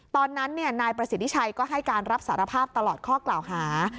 ตอนนั้นนายประสิทธิชัยก็ให้การรับสารภาพตลอดข้อกล่าวหา